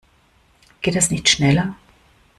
Geht das nicht schneller?